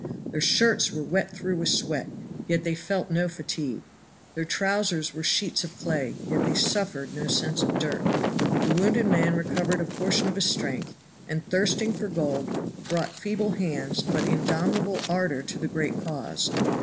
Their shirts were wet through with sweat, yet they felt no fatigue. Their trousers were sheets of clay, yet they suffered no sense of dirt. The wounded man recovered a portion of his strength, and, thirsting for gold, brought feeble hands but indomitable ardor to the great cause.